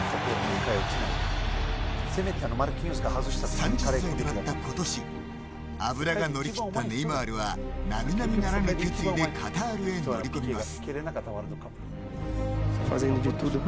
３０歳となった今年脂が乗りきったネイマールは並々ならぬ決意でカタールへ乗り込みます。